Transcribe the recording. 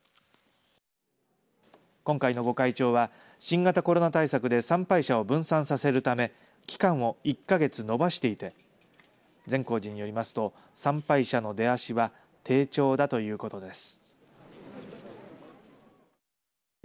今回の御開帳は新型コロナ対策で参拝者を分散させるため期間を１か月延ばしていて善光寺によりますと参拝者の出足は低調だということです。